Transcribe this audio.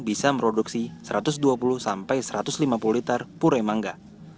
bisa merodoksi satu ratus dua puluh satu ratus lima puluh liter puré mangga